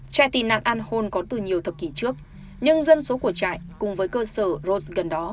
trại tị nạn anh hôn có từ nhiều thập kỷ trước nhưng dân số của trại cùng với cơ sở rose gần đó